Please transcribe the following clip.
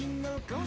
ini beri korial